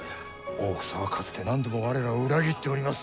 大草はかつて何度も我らを裏切っております。